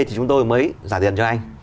thì chúng tôi mới trả tiền cho anh